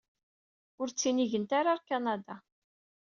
Ur ttinigent ara ɣer Kanada.